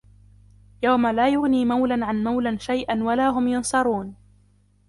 يَوْمَ لَا يُغْنِي مَوْلًى عَنْ مَوْلًى شَيْئًا وَلَا هُمْ يُنْصَرُونَ